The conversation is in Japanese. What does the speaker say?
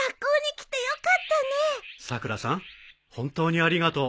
本当にありがとう。